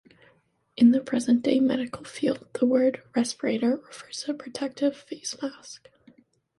In the present-day medical field the word "respirator" refers to a protective face mask.